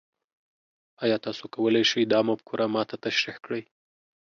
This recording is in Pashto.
ایا تاسو کولی شئ دا مفکوره ما ته تشریح کړئ؟